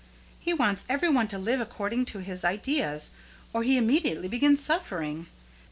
He wants every one to live according to his ideas, or he immediately begins suffering.